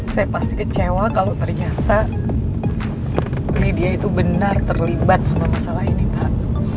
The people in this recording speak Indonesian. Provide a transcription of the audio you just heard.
saya pasti kecewa kalau ternyata media itu benar terlibat sama masalah ini pak